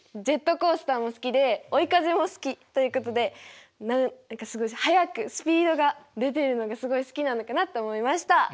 ジェットコースターも好きで「追い風」も好きということで何か速くスピードが出てるのがすごい好きなのかなと思いました。